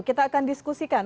kita akan diskusikan